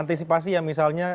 antisipasi ya misalnya